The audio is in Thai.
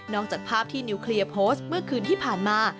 จากภาพที่นิวเคลียร์โพสต์เมื่อคืนที่ผ่านมา